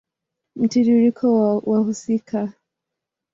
Mtiririko wa wahusika